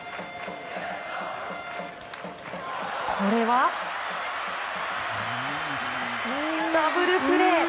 これは、ダブルプレー！